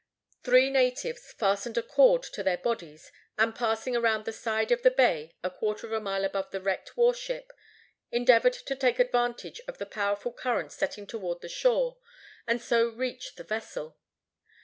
Three natives fastened a cord to their bodies, and, passing around the side of the bay a quarter of a mile above the wrecked war ship, endeavored to take advantage of the powerful current setting toward the shore, and so reach the vessel.